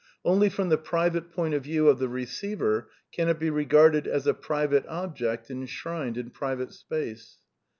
Only from the private point of view of the per ceiver can it be regarded as a private object enshrined in private space.